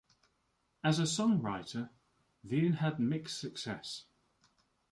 As a songwriter, Vian had mixed success.